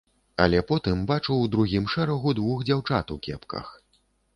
Але потым бачу ў другім шэрагу двух дзяўчат у кепках.